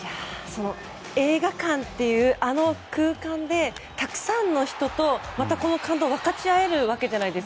映画館というあの空間でたくさんの人とまたこの感動を分かち合える。